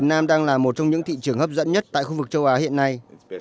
trong những thị trường hấp dẫn nhất tại khu vực châu á hiện nay